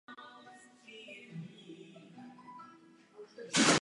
Za třetí, nejbouřlivější diskuse mezi námi se týkaly příloh.